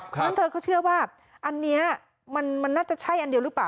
เพราะฉะนั้นเธอก็เชื่อว่าอันนี้มันน่าจะใช่อันเดียวหรือเปล่า